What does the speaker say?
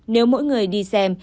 nếu mỗi người đi xem